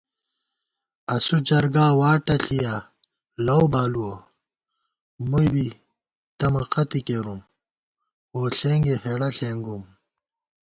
اسُو جرگا واٹہ ݪِیا، لَؤ بالُوَہ ، مُوئی بی تمہ قَتےکېرُم ووݪېنگےہېڑہ ݪېنگُوم